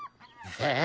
ええ！